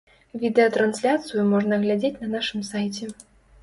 Відэатрансляцыю можна глядзець на нашым сайце.